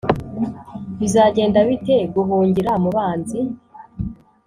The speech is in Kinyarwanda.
bizagenda bite guhungira mubanzi"